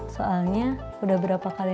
soalnya udah berapa kali